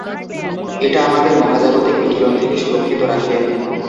এটা আমাদের মহাজাগতিক বিকিরণ থেকে সুরক্ষিত রাখে।